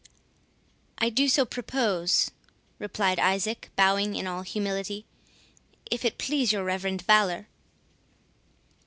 "I do so propose," replied Isaac, bowing in all humility, "if it please your reverend valour."